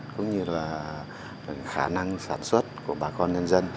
cũng như là khả năng sản xuất của bà con nhân dân